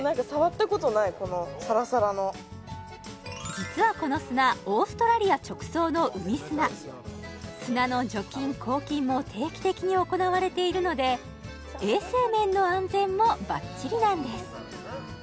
実はこの砂オーストラリア直送の海砂砂の除菌・抗菌も定期的に行われているので衛生面の安全もバッチリなんです